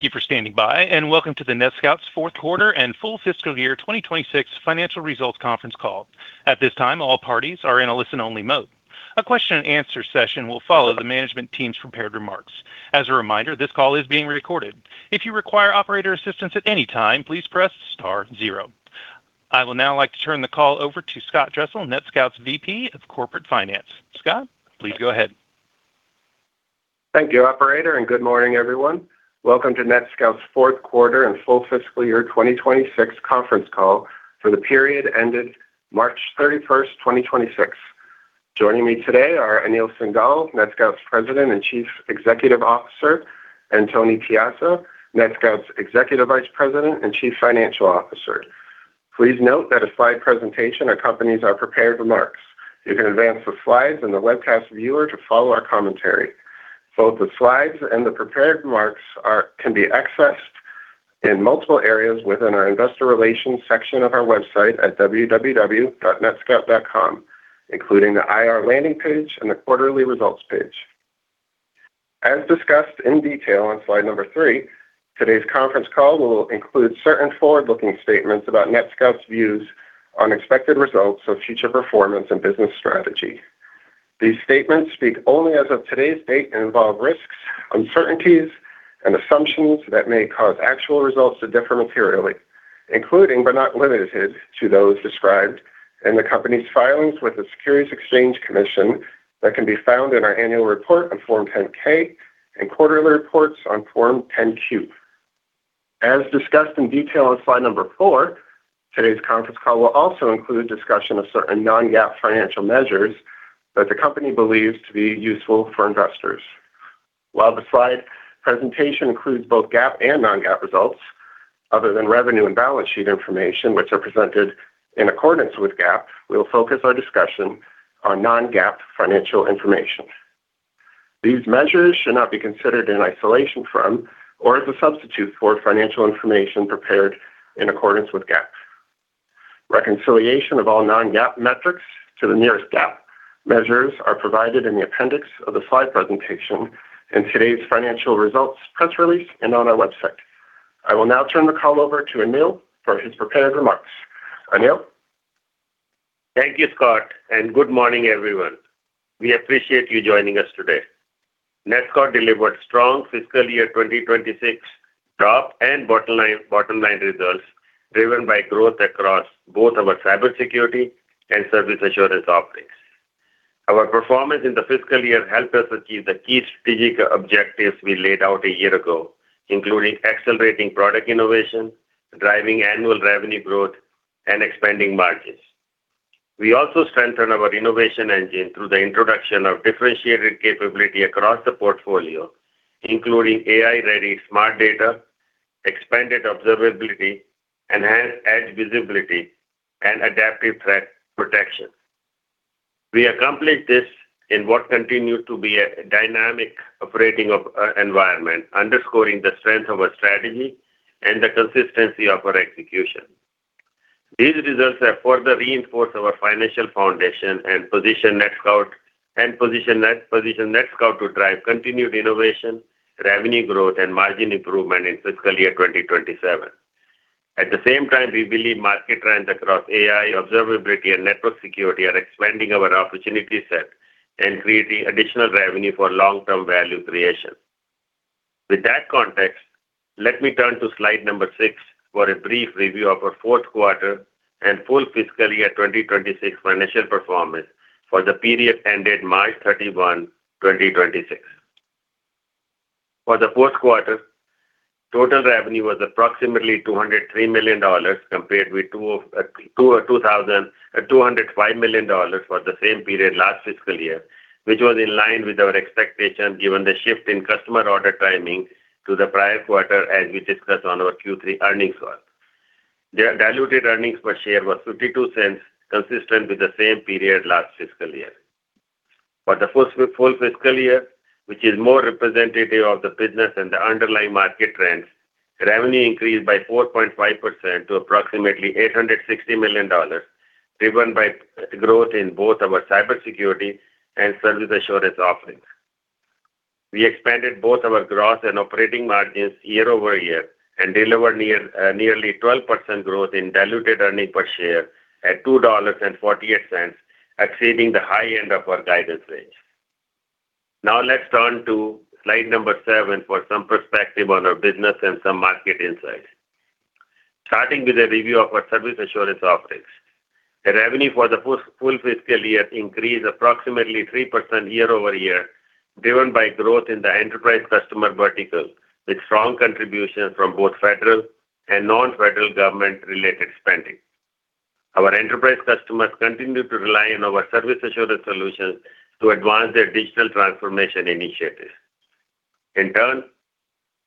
Thank you for standing by and welcome to the NETSCOUT's fourth quarter and full fiscal year 2026 financial results conference call. At this time, all parties are in a listen-only mode. A question and answer session will follow the management team's prepared remarks. As a reminder, this call is being recorded. If you require operator assistance at any time, please press star zero. I will now like to turn the call over to Scott Dressel, NETSCOUT's VP of Corporate Finance. Scott, please go ahead. Thank you, operator. Good morning, everyone. Welcome to NETSCOUT's fourth quarter and full FY 2026 conference call for the period ended March 31st, 2026. Joining me today are Anil Singhal, NETSCOUT's President and Chief Executive Officer, and Tony Piazza, NETSCOUT's Executive Vice President and Chief Financial Officer. Please note that a slide presentation accompanies our prepared remarks. You can advance the slides in the webcast viewer to follow our commentary. Both the slides and the prepared remarks can be accessed in multiple areas within our investor relations section of our website at www.netscout.com, including the IR landing page and the quarterly results page. As discussed in detail on slide number 3, today's conference call will include certain forward-looking statements about NETSCOUT's views on expected results of future performance and business strategy. These statements speak only as of today's date and involve risks, uncertainties, and assumptions that may cause actual results to differ materially, including but not limited to those described in the company's filings with the Securities and Exchange Commission that can be found in our annual report on Form 10-K and quarterly reports on Form 10-Q. As discussed in detail on slide number 4, today's conference call will also include a discussion of certain non-GAAP financial measures that the company believes to be useful for investors. While the slide presentation includes both GAAP and non-GAAP results, other than revenue and balance sheet information, which are presented in accordance with GAAP, we will focus our discussion on non-GAAP financial information. These measures should not be considered in isolation from or as a substitute for financial information prepared in accordance with GAAP. Reconciliation of all non-GAAP metrics to the nearest GAAP measures are provided in the appendix of the slide presentation in today's financial results press release and on our website. I will now turn the call over to Anil for his prepared remarks. Anil. Thank you, Scott, and good morning, everyone. We appreciate you joining us today. NETSCOUT delivered strong fiscal year 2026 top and bottom line results driven by growth across both our cybersecurity and service assurance offerings. Our performance in the fiscal year helped us achieve the key strategic objectives we laid out a year ago, including accelerating product innovation, driving annual revenue growth, and expanding margins. We also strengthened our innovation engine through the introduction of differentiated capability across the portfolio, including AI-ready smart data, expanded observability, enhanced edge visibility, and adaptive threat protection. We accomplished this in what continued to be a dynamic operating environment, underscoring the strength of our strategy and the consistency of our execution. These results have further reinforced our financial foundation and position NETSCOUT to drive continued innovation, revenue growth, and margin improvement in fiscal year 2027. At the same time, we believe market trends across AI, observability, and network security are expanding our opportunity set and creating additional revenue for long-term value creation. With that context, let me turn to slide number 6 for a brief review of our fourth quarter and full fiscal year 2026 financial performance for the period ended March 31, 2026. For the fourth quarter, total revenue was approximately $203 million compared with $205 million for the same period last fiscal year, which was in line with our expectation given the shift in customer order timing to the prior quarter, as we discussed on our Q3 earnings call. The diluted earnings per share was $0.52, consistent with the same period last fiscal year. For the full fiscal year, which is more representative of the business and the underlying market trends, revenue increased by 4.5% to approximately $860 million, driven by growth in both our cybersecurity and service assurance offerings. We expanded both our gross and operating margins year-over-year and delivered nearly 12% growth in diluted earnings per share at $2.48, exceeding the high end of our guidance range. Now let's turn to slide number 7 for some perspective on our business and some market insights. Starting with a review of our service assurance offerings. The revenue for the full fiscal year increased approximately 3% year-over-year, driven by growth in the enterprise customer vertical, with strong contribution from both federal and non-federal government-related spending. Our enterprise customers continue to rely on our service assurance solutions to advance their digital transformation initiatives. In turn,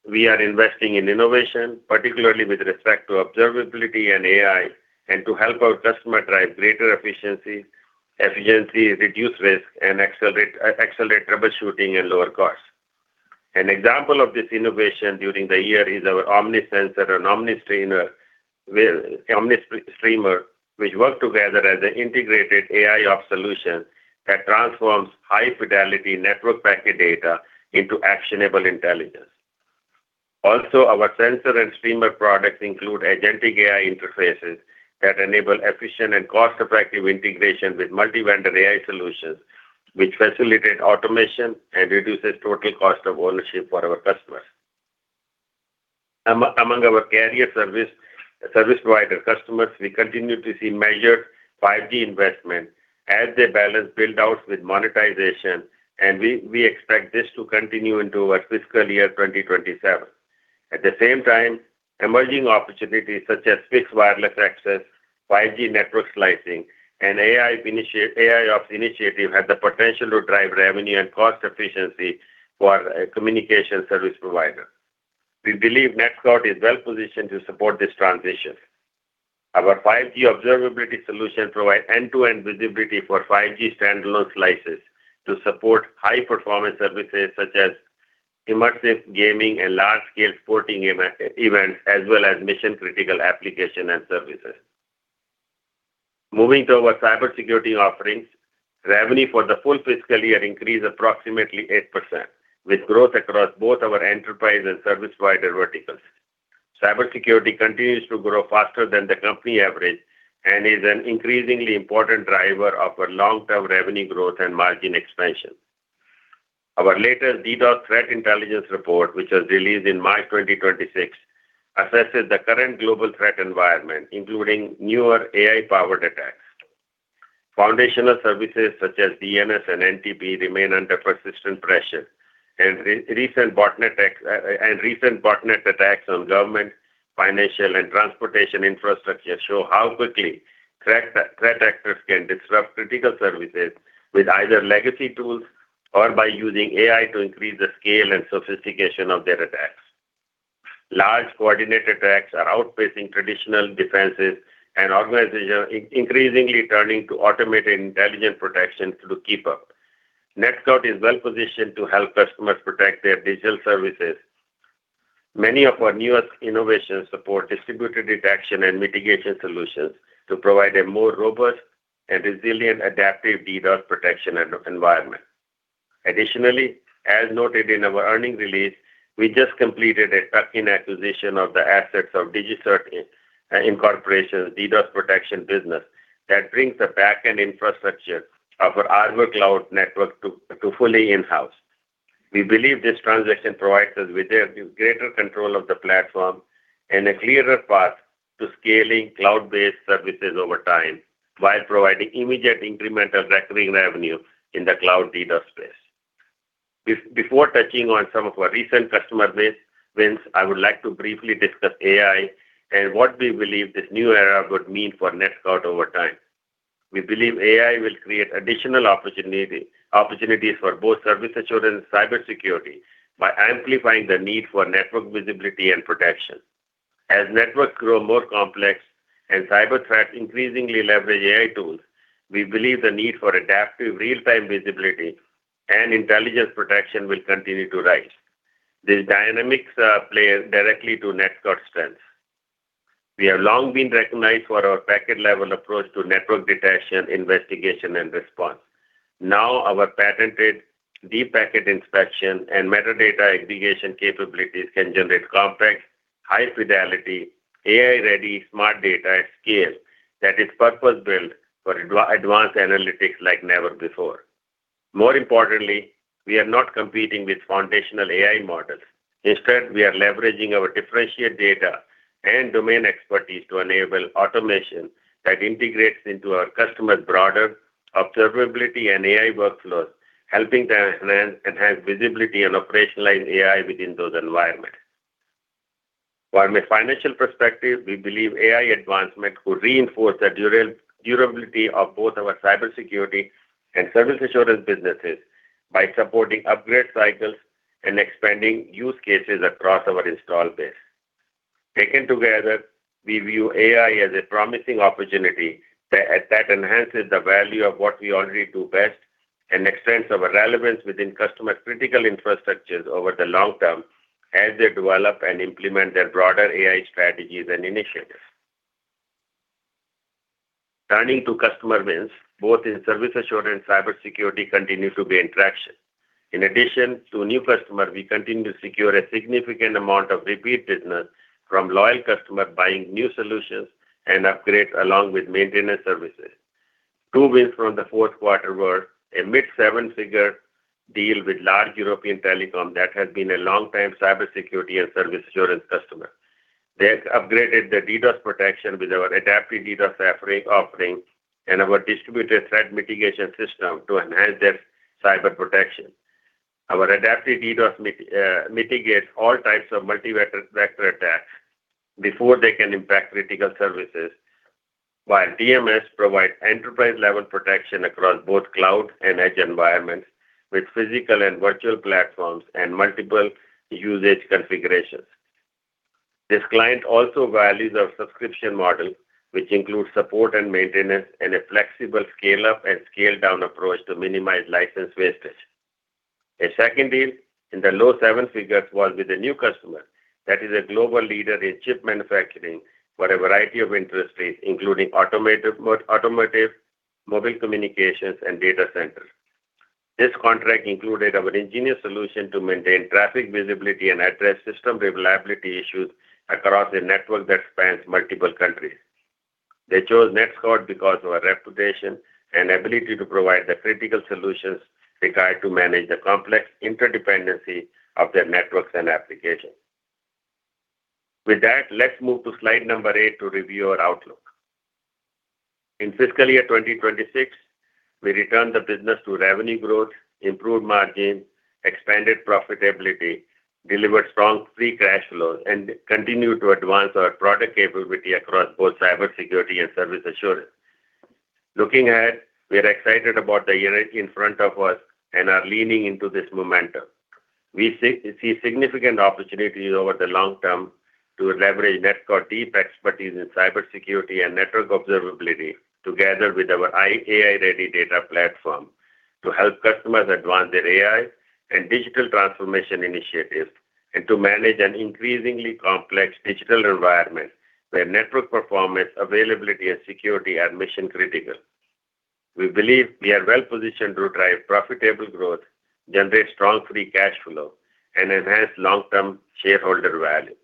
we are investing in innovation, particularly with respect to observability and AI, and to help our customer drive greater efficiency, reduce risk, and accelerate troubleshooting and lower costs. An example of this innovation during the year is our Omnis Sensor and Omnis Streamer, which work together as an integrated AIOps solution that transforms high-fidelity network packet data into actionable intelligence. Also, our sensor and streamer products include agentic AI interfaces that enable efficient and cost-effective integration with multi-vendor AI solutions, which facilitate automation and reduces total cost of ownership for our customers. Among our carrier service provider customers, we continue to see measured 5G investment as they balance build-outs with monetization, and we expect this to continue into our fiscal year 2027. At the same time, emerging opportunities such as fixed wireless access, 5G network slicing, and AIOps initiatives have the potential to drive revenue and cost efficiency for a communication service provider. We believe NETSCOUT is well-positioned to support this transition. Our 5G observability solution provide end-to-end visibility for 5G standalone slices to support high-performance services such as immersive gaming and large-scale sporting events, as well as mission-critical application and services. Moving to our cybersecurity offerings, revenue for the full fiscal year increased approximately 8%, with growth across both our enterprise and service provider verticals. Cybersecurity continues to grow faster than the company average and is an increasingly important driver of our long-term revenue growth and margin expansion. Our latest DDoS Threat Intelligence Report, which was released in March 2026, assesses the current global threat environment, including newer AI-powered attacks. Foundational services such as DNS and NTP remain under persistent pressure, and recent botnet attacks on government, financial, and transportation infrastructure show how quickly threat actors can disrupt critical services with either legacy tools or by using AI to increase the scale and sophistication of their attacks. Large coordinated attacks are outpacing traditional defenses, and organizations are increasingly turning to automated intelligent protection to keep up. NETSCOUT is well-positioned to help customers protect their digital services. Many of our newest innovations support distributed detection and mitigation solutions to provide a more robust and resilient Adaptive DDoS protection environment. Additionally, as noted in our earnings release, we just completed a tuck-in acquisition of the assets of DigiCert Inc. DDoS protection business that brings the back-end infrastructure of our Arbor Cloud network to fully in-house. We believe this transaction provides us with a greater control of the platform and a clearer path to scaling cloud-based services over time, while providing immediate incremental recurring revenue in the cloud DDoS space. Before touching on some of our recent customer wins, I would like to briefly discuss AI and what we believe this new era would mean for NETSCOUT over time. We believe AI will create additional opportunities for both service assurance and cybersecurity by amplifying the need for network visibility and protection. As networks grow more complex and cyber threats increasingly leverage AI tools, we believe the need for adaptive real-time visibility and intelligence protection will continue to rise. These dynamics play directly to NETSCOUT's strengths. We have long been recognized for our packet-level approach to network detection, investigation, and response. Now, our patented deep packet inspection and metadata aggregation capabilities can generate complex, high-fidelity, AI-ready smart data at scale that is purpose-built for advanced analytics like never before. More importantly, we are not competing with foundational AI models. Instead, we are leveraging our differentiated data and domain expertise to enable automation that integrates into our customers' broader observability and AI workflows, helping them enhance visibility and operationalize AI within those environments. From a financial perspective, we believe AI advancement will reinforce the durability of both our cybersecurity and service assurance businesses by supporting upgrade cycles and expanding use cases across our install base. Taken together, we view AI as a promising opportunity that enhances the value of what we already do best and extends our relevance within customer-critical infrastructures over the long term as they develop and implement their broader AI strategies and initiatives. Turning to customer wins, both in service assurance, cybersecurity continue to be in traction. In addition to new customers, we continue to secure a significant amount of repeat business from loyal customers buying new solutions and upgrades along with maintenance services. Two wins from the fourth quarter were a mid-7-figure deal with large European telecom that has been a long-time cybersecurity and service assurance customer. They have upgraded their DDoS protection with our Adaptive DDoS offering and our Arbor Threat Mitigation System to enhance their cyber protection. Our Adaptive DDoS mitigates all types of multi-vector attacks before they can impact critical services, while TMS provides enterprise-level protection across both cloud and edge environments with physical and virtual platforms and multiple usage configurations. This client also values our subscription model, which includes support and maintenance and a flexible scale-up and scale-down approach to minimize license wastage. A second deal in the low $7 figures was with a new customer that is a global leader in chip manufacturing for a variety of industries, including automotive, mobile communications, and data centers. This contract included our nGenius solution to maintain traffic visibility and address system reliability issues across a network that spans multiple countries. They chose NETSCOUT because of our reputation and ability to provide the critical solutions required to manage the complex interdependency of their networks and applications. Let's move to slide number 8 to review our outlook. In fiscal year 2026, we returned the business to revenue growth, improved margin, expanded profitability, delivered strong free cash flows, and continued to advance our product capability across both cybersecurity and service assurance. Looking ahead, we are excited about the year in front of us and are leaning into this momentum. We see significant opportunities over the long term to leverage NETSCOUT deep expertise in cybersecurity and network observability together with our AI-ready smart data to help customers advance their AI and digital transformation initiatives, and to manage an increasingly complex digital environment where network performance, availability, and security are mission-critical. We believe we are well-positioned to drive profitable growth, generate strong free cash flow, and enhance long-term shareholder value.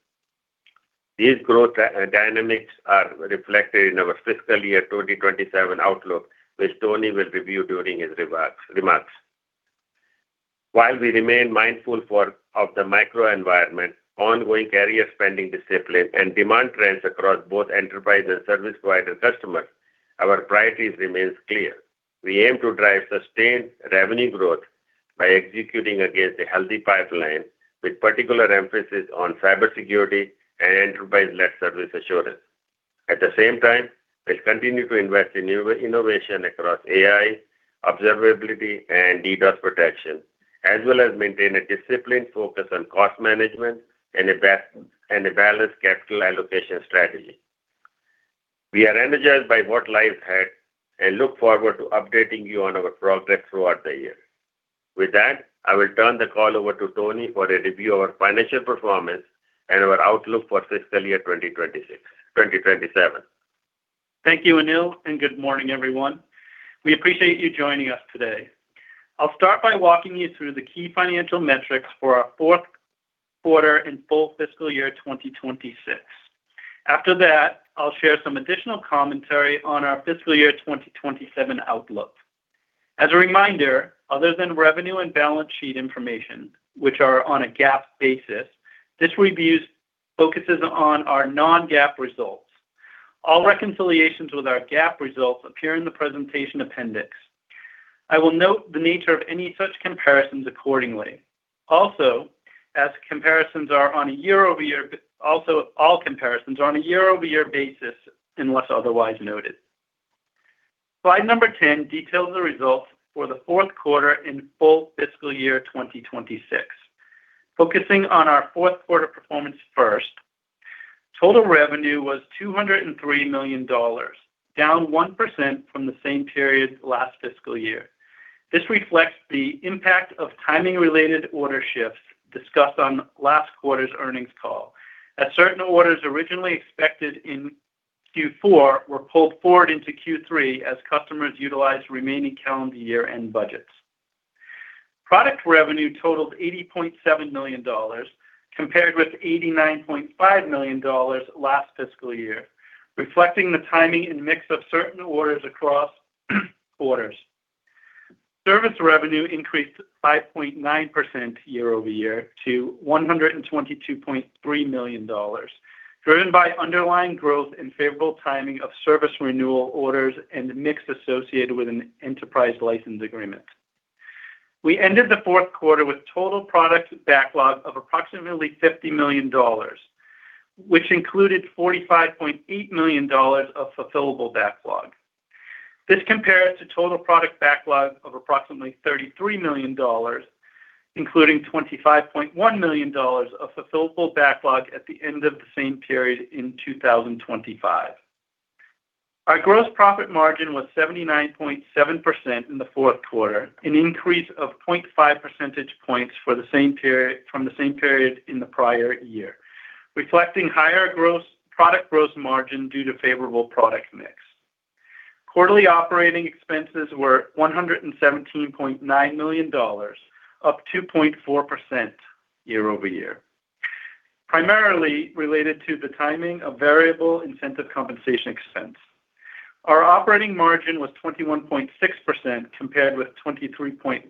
These growth dynamics are reflected in our fiscal year 2027 outlook, which Tony will review during his remarks. While we remain mindful of the microenvironment, ongoing area spending discipline, and demand trends across both enterprise and service provider customers, our priorities remains clear. We aim to drive sustained revenue growth by executing against a healthy pipeline with particular emphasis on cybersecurity and enterprise-led service assurance. At the same time, we'll continue to invest in new innovation across AI, observability, and DDoS protection, as well as maintain a disciplined focus on cost management and a balanced capital allocation strategy. We are energized by what lies ahead and look forward to updating you on our progress throughout the year. With that, I will turn the call over to Tony for a review of our financial performance and our outlook for fiscal year 2027. Thank you, Anil. Good morning, everyone. We appreciate you joining us today. I'll start by walking you through the key financial metrics for our fourth quarter and full fiscal year 2026. I'll share some additional commentary on our fiscal year 2027 outlook. As a reminder, other than revenue and balance sheet information, which are on a GAAP basis, this review focuses on our non-GAAP results. All reconciliations with our GAAP results appear in the presentation appendix. I will note the nature of any such comparisons accordingly. All comparisons are on a year-over-year basis unless otherwise noted. Slide number 10 details the results for the fourth quarter and full fiscal year 2026. Focusing on our fourth quarter performance first, total revenue was $203 million, down 1% from the same period last fiscal year. This reflects the impact of timing-related order shifts discussed on last quarter's earnings call, as certain orders originally expected in Q4 were pulled forward into Q3 as customers utilized remaining calendar year-end budgets. Product revenue totaled $80.7 million, compared with $89.5 million last fiscal year, reflecting the timing and mix of certain orders across quarters. Service revenue increased 5.9% year-over-year to $122.3 million, driven by underlying growth and favorable timing of service renewal orders and mix associated with an enterprise license agreement. We ended the fourth quarter with total product backlog of approximately $50 million, which included $45.8 million of fulfillable backlog. This compares to total product backlog of approximately $33 million, including $25.1 million of fulfillable backlog at the end of the same period in 2025. Our gross profit margin was 79.7% in the fourth quarter, an increase of 0.5 percentage points from the same period in the prior year, reflecting higher product gross margin due to favorable product mix. Quarterly operating expenses were $117.9 million, up 2.4% year-over-year, primarily related to the timing of variable incentive compensation expense. Our operating margin was 21.6%, compared with 23.1% in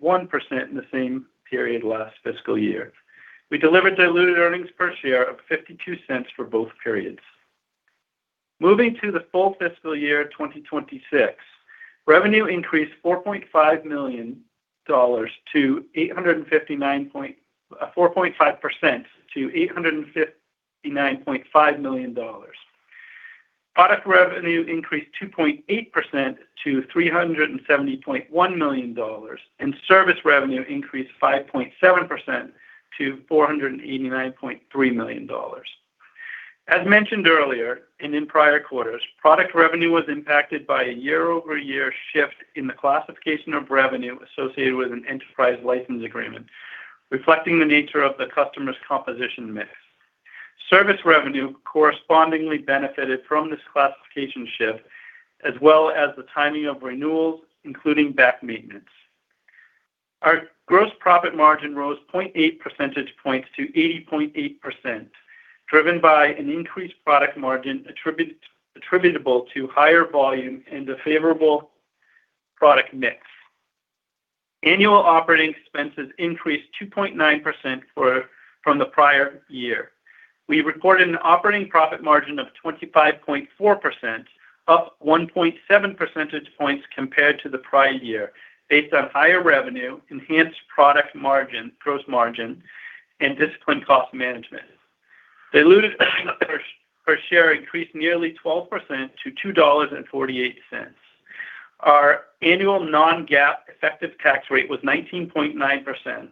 the same period last fiscal year. We delivered diluted earnings per share of $0.52 for both periods. Moving to the full fiscal year 2026, revenue increased 4.5% to $859.5 million. Product revenue increased 2.8% to $370.1 million, and service revenue increased 5.7% to $489.3 million. As mentioned earlier and in prior quarters, product revenue was impacted by a year-over-year shift in the classification of revenue associated with an enterprise license agreement, reflecting the nature of the customer's composition mix. Service revenue correspondingly benefited from this classification shift, as well as the timing of renewals, including back maintenance. Our gross profit margin rose 0.8 percentage points to 80.8%, driven by an increased product margin attributable to higher volume and a favorable product mix. Annual operating expenses increased 2.9% from the prior year. We reported an operating profit margin of 25.4%, up 1.7 percentage points compared to the prior year, based on higher revenue, enhanced product margin, gross margin, and disciplined cost management. Diluted earnings per share increased nearly 12% to $2.48. Our annual non-GAAP effective tax rate was 19.9%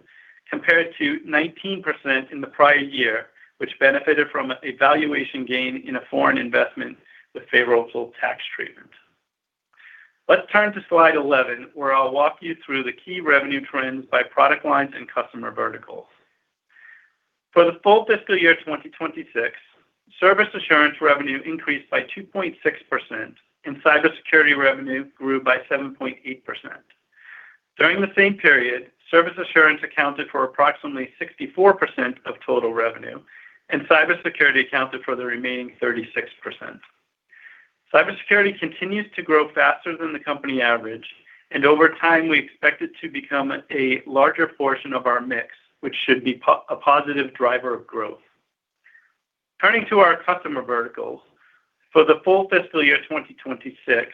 compared to 19% in the prior year, which benefited from a valuation gain in a foreign investment with favorable tax treatment. Let's turn to slide 11, where I'll walk you through the key revenue trends by product lines and customer verticals. For the full fiscal year 2026, service assurance revenue increased by 2.6%, and cybersecurity revenue grew by 7.8%. During the same period, service assurance accounted for approximately 64% of total revenue, and cybersecurity accounted for the remaining 36%. Cybersecurity continues to grow faster than the company average, and over time, we expect it to become a larger portion of our mix, which should be a positive driver of growth. Turning to our customer verticals. For the full fiscal year 2026,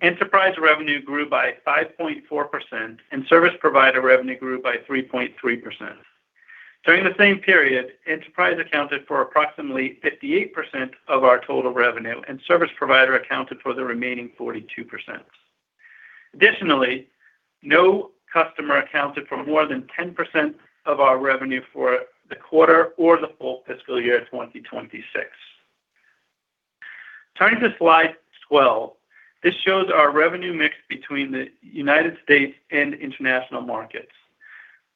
enterprise revenue grew by 5.4%, and service provider revenue grew by 3.3%. During the same period, enterprise accounted for approximately 58% of our total revenue, and service provider accounted for the remaining 42%. Additionally, no customer accounted for more than 10% of our revenue for the quarter or the full fiscal year 2026. Turning to slide 12, this shows our revenue mix between the U.S. and international markets.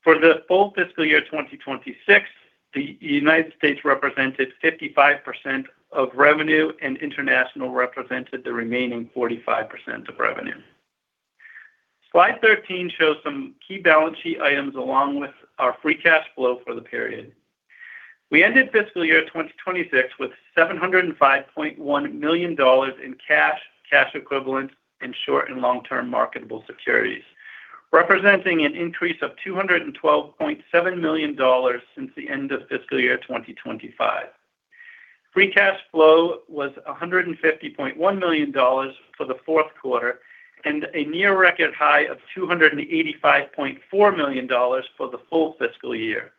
For the full fiscal year 2026, the United States represented 55% of revenue, and international represented the remaining 45% of revenue. Slide 13 shows some key balance sheet items along with our free cash flow for the period. We ended fiscal year 2026 with $705.1 million in cash equivalents, and short and long-term marketable securities, representing an increase of $212.7 million since the end of fiscal year 2025. Free cash flow was $150.1 million for the 4th quarter and a near record high of $285.4 million for the full fiscal year.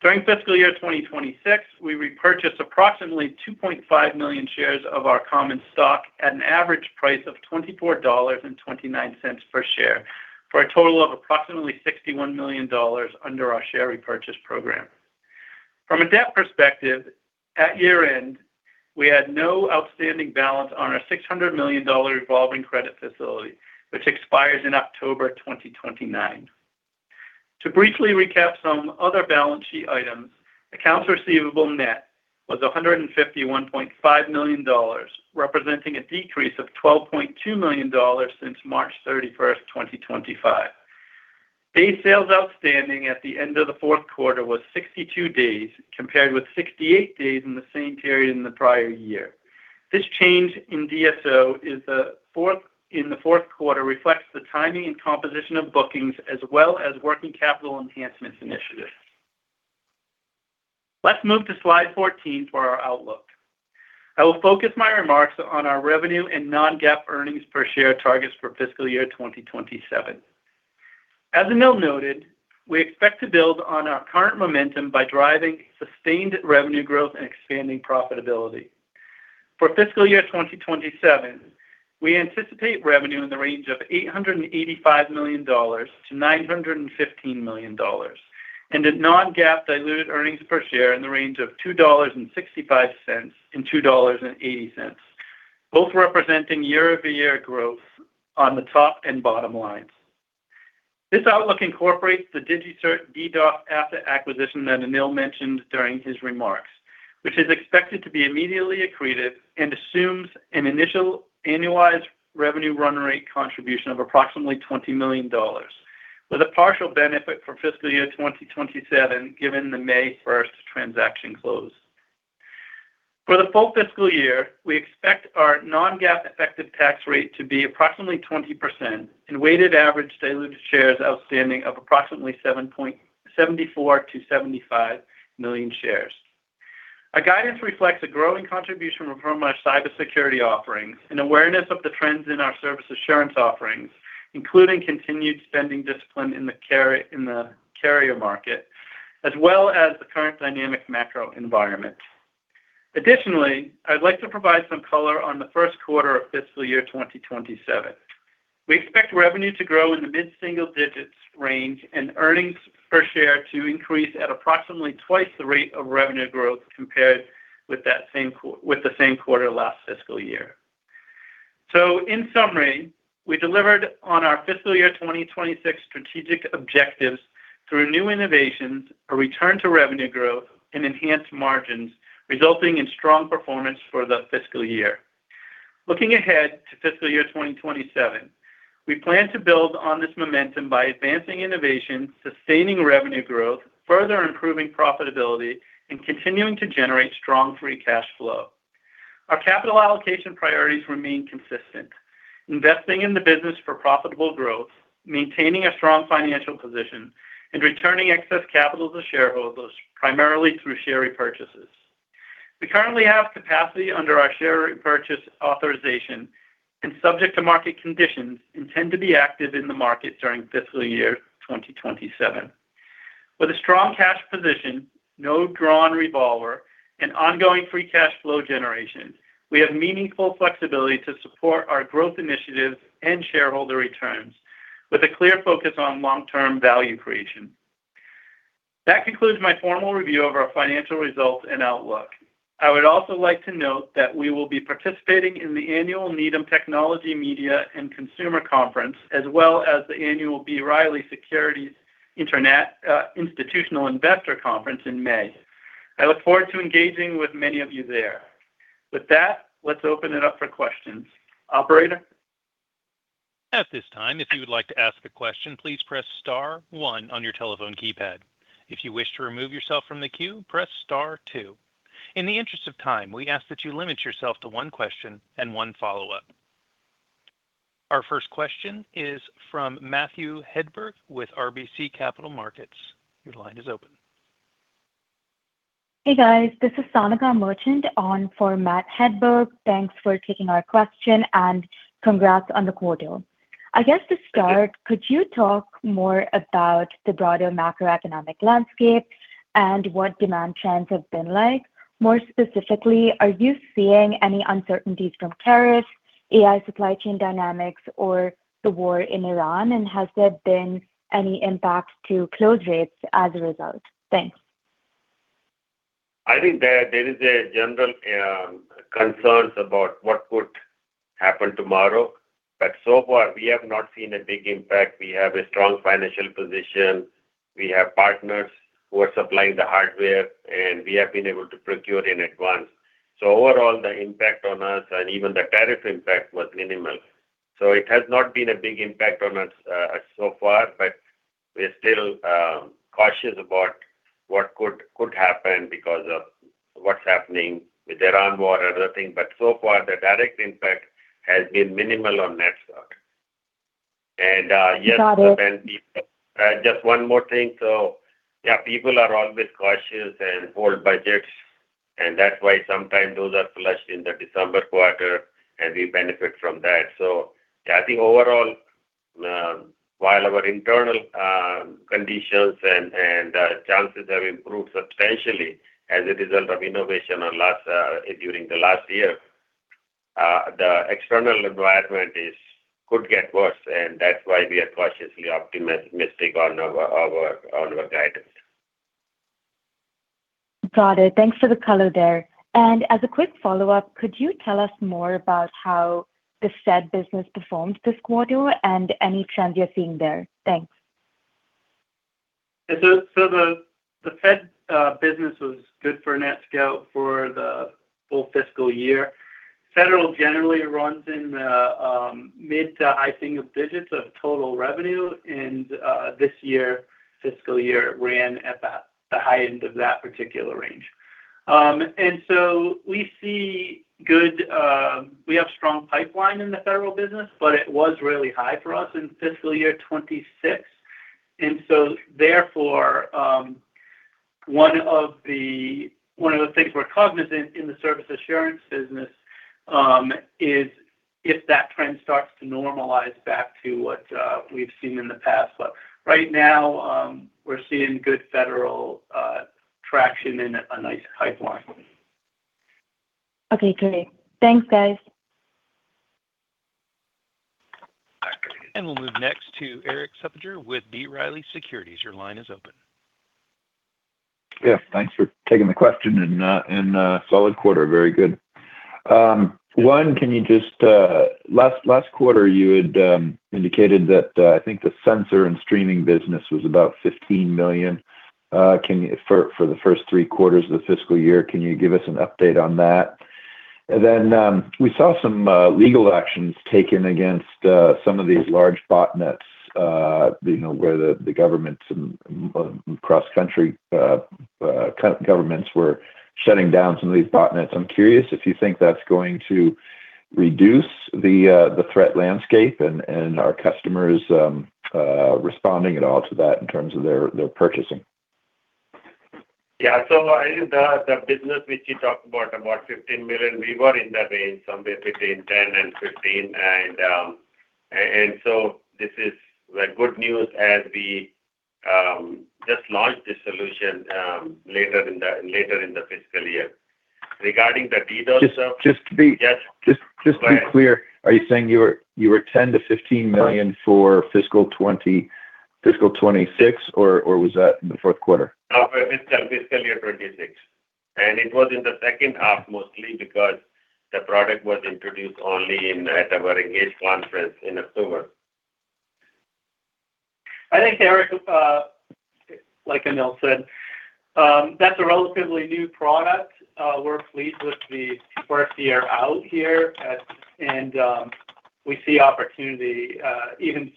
During fiscal year 2026, we repurchased approximately 2.5 million shares of our common stock at an average price of $24.29 per share for a total of approximately $61 million under our share repurchase program. From a debt perspective, at year-end, we had no outstanding balance on our $600 million revolving credit facility, which expires in October 2029. To briefly recap some other balance sheet items, accounts receivable net was $151.5 million, representing a decrease of $12.2 million since March 31, 2025. Day sales outstanding at the end of the fourth quarter was 62 days, compared with 68 days in the same period in the prior year. This change in DSO is the fourth, in the fourth quarter reflects the timing and composition of bookings as well as working capital enhancements initiatives. Let's move to slide 14 for our outlook. I will focus my remarks on our revenue and non-GAAP earnings per share targets for fiscal year 2027. As Anil noted, we expect to build on our current momentum by driving sustained revenue growth and expanding profitability. For fiscal year 2027, we anticipate revenue in the range of $885 million-$915 million and a non-GAAP diluted earnings per share in the range of $2.65 and $2.80, both representing year-over-year growth on the top and bottom lines. This outlook incorporates the DigiCert DDoS asset acquisition that Anil mentioned during his remarks, which is expected to be immediately accretive and assumes an initial annualized revenue run rate contribution of approximately $20 million with a partial benefit for FY 2027, given the May 1st transaction close. For the full fiscal year, we expect our non-GAAP effective tax rate to be approximately 20% and weighted average diluted shares outstanding of approximately 74 million-75 million shares. Our guidance reflects a growing contribution from our cybersecurity offerings and awareness of the trends in our service assurance offerings, including continued spending discipline in the carrier market, as well as the current dynamic macro environment. Additionally, I'd like to provide some color on the first quarter of fiscal year 2027. We expect revenue to grow in the mid-single digits range and earnings per share to increase at approximately twice the rate of revenue growth compared with the same quarter last fiscal year. In summary, we delivered on our fiscal year 2026 strategic objectives through new innovations, a return to revenue growth, and enhanced margins, resulting in strong performance for the fiscal year. Looking ahead to fiscal year 2027, we plan to build on this momentum by advancing innovation, sustaining revenue growth, further improving profitability, and continuing to generate strong free cash flow. Our capital allocation priorities remain consistent: investing in the business for profitable growth, maintaining a strong financial position, and returning excess capital to shareholders, primarily through share repurchases. We currently have capacity under our share repurchase authorization and, subject to market conditions, intend to be active in the market during fiscal year 2027. With a strong cash position, no drawn revolver, and ongoing free cash flow generation, we have meaningful flexibility to support our growth initiatives and shareholder returns with a clear focus on long-term value creation. That concludes my formal review of our financial results and outlook. I would also like to note that we will be participating in the Annual Needham Technology, Media, and Consumer Conference, as well as the Annual B. Riley Securities Institutional Investor Conference in May. I look forward to engaging with many of you there. With that, let's open it up for questions. Operator? At this time if you would like to ask a question please press star one on your telephone keypad, if you wish to remove yourself from the queue, press star two. In the interest of time, we ask that you limit yourself to one question and one follow-up. Our first question is from Matthew Hedberg with RBC Capital Markets. Your line is open. Hey, guys. This is Sanika Merchant on for Matthew Hedberg. Thanks for taking our question and congrats on the quarter. I guess to start, could you talk more about the broader macroeconomic landscape and what demand trends have been like? More specifically, are you seeing any uncertainties from tariffs, AI supply chain dynamics, or the war in Iran? Has there been any impact to close rates as a result? Thanks. I think there is a general concerns about what could happen tomorrow, but so far we have not seen a big impact. We have a strong financial position. We have partners who are supplying the hardware, and we have been able to procure in advance. Overall, the impact on us and even the tariff impact was minimal. It has not been a big impact on us so far, but we're still cautious about what could happen because of what's happening with Iran war and other thing. So far, the direct impact has been minimal on NETSCOUT. Got it. Just one more thing. Yeah, people are always cautious and hold budgets, and that's why sometimes those are flushed in the December quarter, and we benefit from that. I think overall, while our internal conditions and chances have improved substantially as a result of innovation during the last year, the external environment is could get worse, and that's why we are cautiously optimistic on our guidance. Got it. Thanks for the color there. As a quick follow-up, could you tell us more about how the Fed business performed this quarter and any trends you're seeing there? Thanks. The Fed business was good for NETSCOUT for the full fiscal year. Federal generally runs in the mid to high single digits of total revenue, and this year, fiscal year, it ran at the high end of that particular range. We have strong pipeline in the federal business, but it was really high for us in fiscal year 2026. Therefore, one of the things we're cognizant in the service assurance business is if that trend starts to normalize back to what we've seen in the past. Right now, we're seeing good federal traction and a nice pipeline. Okay, great. Thanks, guys. We'll move next to Eric [Suppiger] with B. Riley Securities. Your line is open. Yeah, thanks for taking the question and solid quarter. Very good. One, can you just Last quarter you had indicated that I think the sensor and streaming business was about $15 million for the first three quarters of the fiscal year, can you give us an update on that? Then we saw some legal actions taken against some of these large botnets, where the governments and cross-country co-governments were shutting down some of these botnets. I'm curious if you think that's going to reduce the threat landscape and are customers responding at all to that in terms of their purchasing? Yeah. I think the business which you talked about $15 million, we were in that range, somewhere between 10 and 15. This is the good news as we just launched this solution later in the fiscal year. Regarding the DDoS. Just, just to be- Yes. Just to be clear, are you saying you were $10 million-$15 million for fiscal 2026, or was that in the fourth quarter? No, for fiscal year 2026. It was in the second half mostly because the product was introduced only at our ENGAGE conference in October. I think, Eric, like Anil said, that's a relatively new product. We're pleased with the first year out here. We see opportunity, even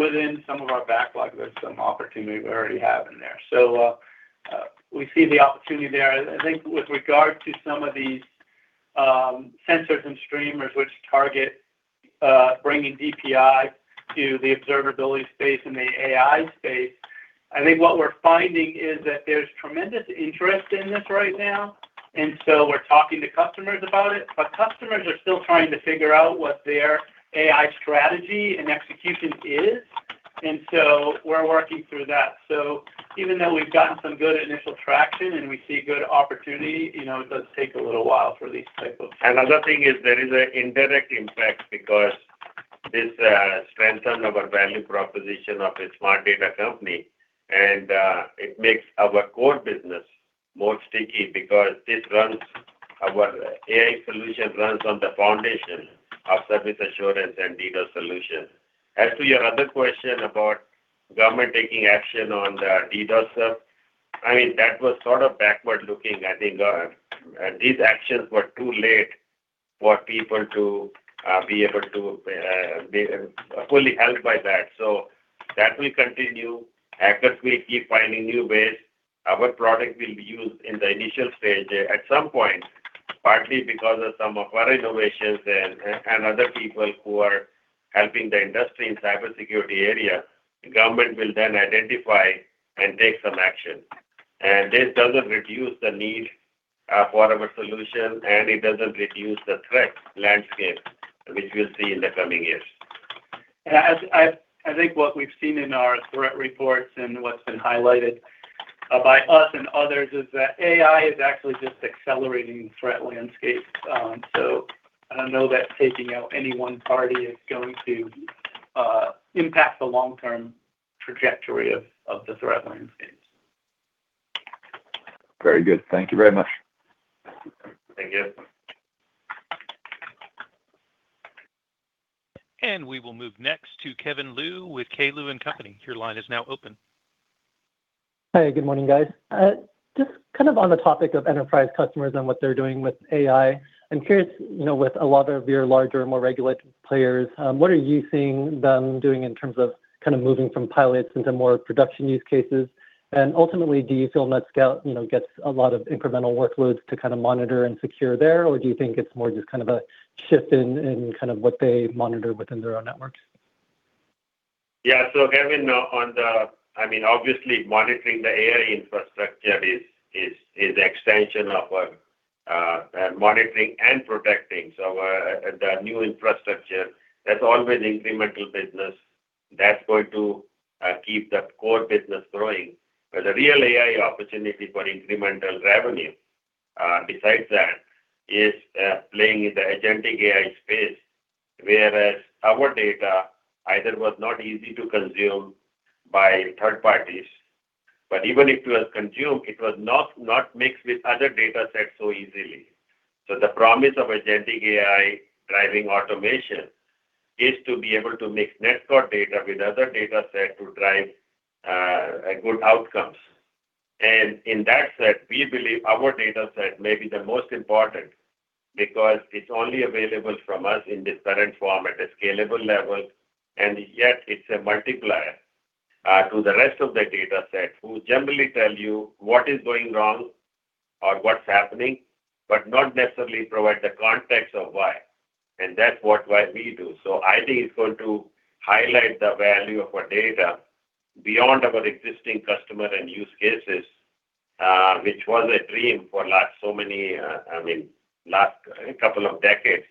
within some of our backlog, there's some opportunity we already have in there. We see the opportunity there. I think with regard to some of these sensors and streamers which target bringing DPI to the observability space and the AI space, I think what we're finding is that there's tremendous interest in this right now. We're talking to customers about it, but customers are still trying to figure out what their AI strategy and execution is. We're working through that. Even though we've gotten some good initial traction, and we see good opportunity, you know, it does take a little while for these type of things. Another thing is there is an indirect impact because this strengthen our value proposition of a smart data company. It makes our core business more sticky because our AI solution runs on the foundation of service assurance and DDoS solution. As to your other question about government taking action on the DDoS, I mean, that was sort of backward-looking. I think these actions were too late for people to be able to be fully helped by that. That will continue. Hackers will keep finding new ways. Our product will be used in the initial stage. At some point, partly because of some of our innovations and other people who are helping the industry in cybersecurity area, the government will then identify and take some action. This doesn't reduce the need for our solution, and it doesn't reduce the threat landscape, which we'll see in the coming years. I think what we've seen in our threat reports and what's been highlighted by us and others is that AI is actually just accelerating threat landscape. I don't know that taking out any one party is going to impact the long-term trajectory of the threat landscape. Very good. Thank you very much. Thank you. We will move next to Kevin Liu with K. Liu & Company. Your line is now open. Hi, good morning, guys. Just kind of on the topic of enterprise customers and what they're doing with AI, I'm curious, you know, with a lot of your larger, more regulated players, what are you seeing them doing in terms of kind of moving from pilots into more production use cases? Ultimately, do you feel NETSCOUT, you know, gets a lot of incremental workloads to kind of monitor and secure there? Do you think it's more just kind of a shift in kind of what they monitor within their own networks? Yeah. Kevin Liu, on the I mean, obviously, monitoring the AI infrastructure is extension of our monitoring and protecting. The new infrastructure, that's always incremental business. That's going to keep that core business growing. The real AI opportunity for incremental revenue, besides that, is playing in the agentic AI space. Whereas our data either was not easy to consume by third parties, but even if it was consumed, it was not mixed with other datasets so easily. The promise of agentic AI driving automation is to be able to mix NETSCOUT data with other datasets to drive good outcomes. In that set, we believe our dataset may be the most important because it's only available from us in this current form at a scalable level, and yet it's a multiplier to the rest of the dataset, who generally tell you what is going wrong or what's happening, but not necessarily provide the context of why. That's what we do. I think it's going to highlight the value of our data beyond our existing customer and use cases, which was a dream for last so many, I mean, last couple of decades,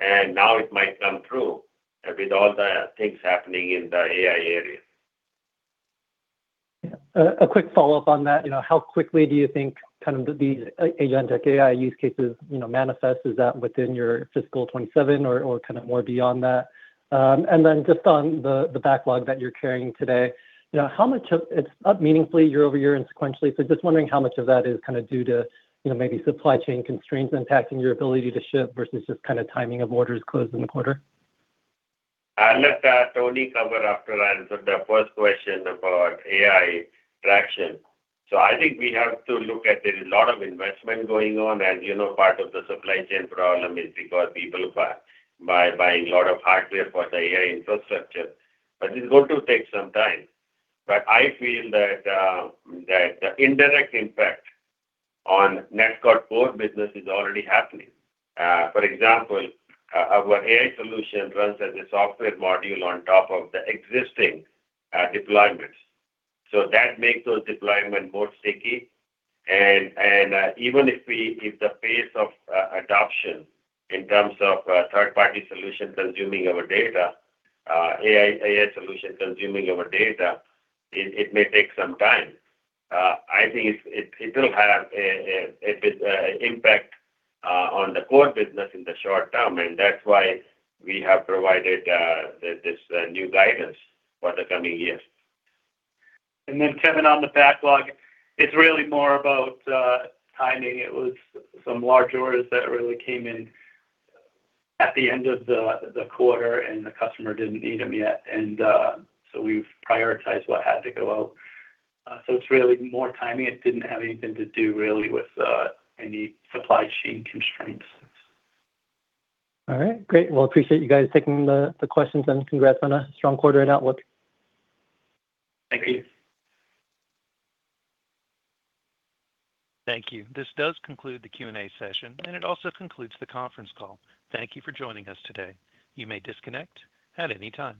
and now it might come true with all the things happening in the AI area. Yeah. A quick follow-up on that. You know, how quickly do you think kind of these agentic AI use cases, you know, manifest? Is that within your fiscal 2027 or kind of more beyond that? Then just on the backlog that you're carrying today, you know, it's up meaningfully year-over-year and sequentially. Just wondering how much of that is kind of due to, you know, maybe supply chain constraints impacting your ability to ship versus just kind of timing of orders closed in the quarter. I'll let Tony cover after I answer the first question about AI traction. I think we have to look at there is a lot of investment going on. You know, part of the supply chain problem is because people are buying a lot of hardware for the AI infrastructure. It's going to take some time. I feel that the indirect impact on NETSCOUT core business is already happening. For example, our AI solution runs as a software module on top of the existing deployments. That makes those deployment more sticky. And, if the pace of adoption in terms of third-party solution consuming our data, AI solution consuming our data, it may take some time. I think it will have a bit impact on the core business in the short term. That's why we have provided this new guidance for the coming years. Kevin, on the backlog, it's really more about timing. It was some large orders that really came in at the end of the quarter, and the customer didn't need them yet. So we've prioritized what had to go out. So it's really more timing. It didn't have anything to do really with any supply chain constraints. All right. Great. Well, appreciate you guys taking the questions. Congrats on a strong quarter and outlook. Thank you. Thank you. This does conclude the Q&A session, and it also concludes the conference call. Thank you for joining us today. You may disconnect at any time.